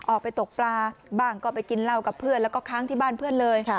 ออกไปตกปลาบ้างก็ไปกินเหล้ากับเพื่อนแล้วก็ค้างที่บ้านเพื่อนเลย